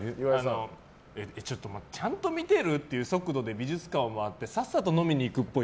ちゃんと見ているっていう速度で美術館を回ってさっさと飲みに行くっぽい。